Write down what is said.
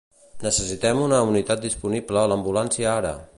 Necessitem una unitat disponible a l'ambulància ara.